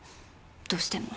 どうしても。